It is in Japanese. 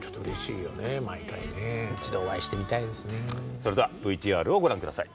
それではＶＴＲをご覧ください。